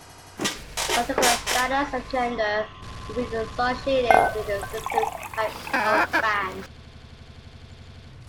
A particular status and gender would be associated with a specific type of fan.